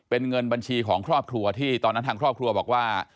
เป็นเงินบัญชีของครอบครัวที่ตอนนั้นทางครอบครัวบอกว่า